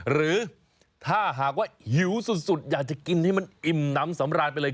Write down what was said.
หรือถ้าหากว่าหิวสุดอยากจะกินให้มันอิ่มน้ำสำราญไปเลย